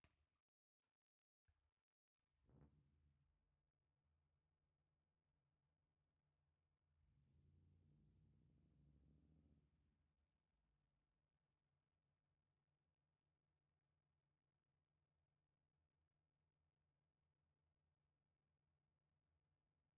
Se distribuyen por Tasmania, Victoria, Nueva Gales del Sur y Queensland.